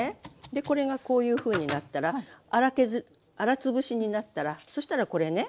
でこれがこういうふうになったら粗潰しになったらそしたらこれね。